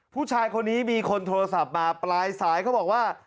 ผู้ชายคนนี้มีคนโทรศัพท์มาปลายสายเขาบอกว่า